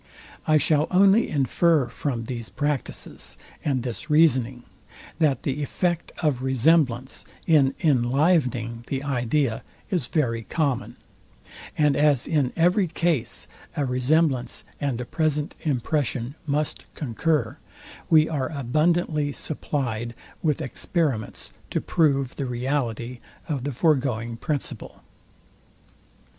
I shall only infer from these practices, and this reasoning, that the effect of resemblance in inlivening the idea is very common; and as in every case a resemblance and a present impression must concur, we are abundantly supplyed with experiments to prove the reality of the foregoing principle.